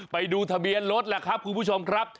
ไปดูทะเบียนรถแหละครับคุณผู้ชมครับ